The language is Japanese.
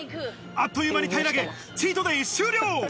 あっという間にたいらげチートデイ終了。